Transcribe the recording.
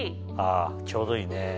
あちょうどいいね。